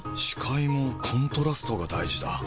視界もコントラストが大事だ。